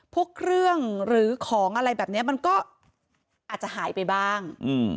พวกเครื่องหรือของอะไรแบบนี้มันก็อาจจะหายไปบ้าง